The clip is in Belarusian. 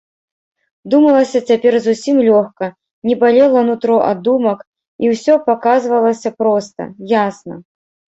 Думалася цяпер зусім лёгка, не балела нутро ад думак, і ўсё паказвалася проста, ясна.